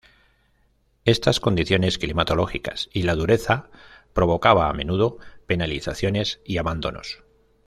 Estas condiciones climatológicas y la dureza provocaba a menudo penalizaciones y abandonos.